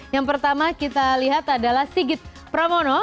yang pertama kita lihat adalah sigit pramono